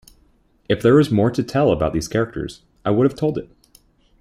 If there was more to tell about these characters I would have told it.